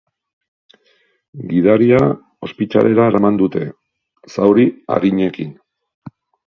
Gidaria ospitalera eraman dute, zauri arinekin.